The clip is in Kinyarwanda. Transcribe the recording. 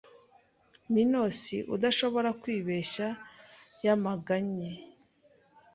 Minos udashobora kwibeshya yamaganye